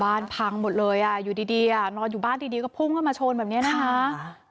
พังหมดเลยอ่ะอยู่ดีนอนอยู่บ้านดีก็พุ่งเข้ามาชนแบบนี้นะคะ